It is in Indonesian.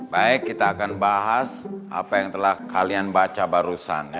baik kita akan bahas apa yang telah kalian baca barusan